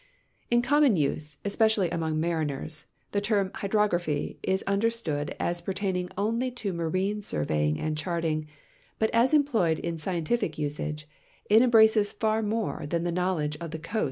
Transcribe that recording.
In common use, especially among mariners, the term hydrograpliy is understood as per taining only to marine surveying and charting, but as employed in scientific usage it embraces far more than the knowledge of the coa.